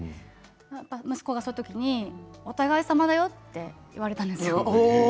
息子が、そういう時にお互い様だよって言われたんですよ。